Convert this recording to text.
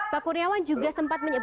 pak kurniawan juga sempat menyebutkan